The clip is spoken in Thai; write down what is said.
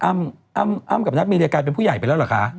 อ้ำกับนัทมีรายการเป็นผู้ใหญ่ไปแล้วเหรอคะ